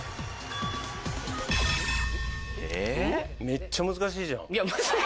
めっちゃ難しいじゃん。